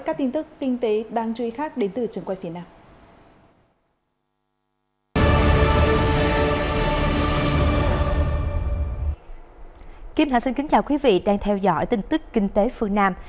các tin tức kinh tế đang truy khác đến từ trường quay phía nam